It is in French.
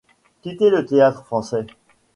Quitter le Théâtre-Français ?